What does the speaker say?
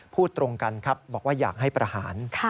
พูดตรงกันครับบอกว่าอยากให้ประหาร